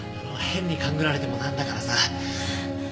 変に勘繰られてもなんだからさ。